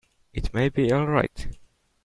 It may be all right.